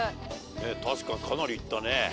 確かにかなりいったね。